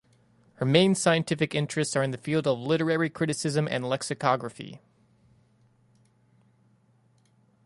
Her main scientific interests are in the field of literary criticism and lexicography.